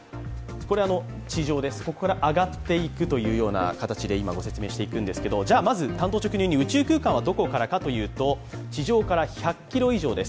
地上から上がっていくという形でご説明しますが、まず単刀直入に宇宙空間はどこからかというと、地上から１００ｋｍ以上です。